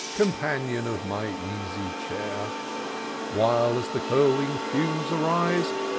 Companion of my easy chair ! While, as the curling fumes arise.